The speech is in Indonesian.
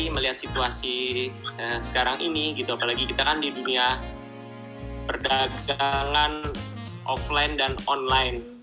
melihat situasi sekarang ini gitu apalagi kita kan di dunia perdagangan offline dan online